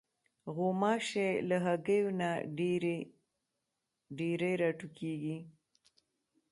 غوماشې له هګیو نه ډېرې راټوکېږي.